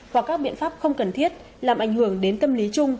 hoặc các biện pháp không cần thiết làm ảnh hưởng đến tâm lý chung